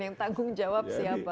yang tanggung jawab siapa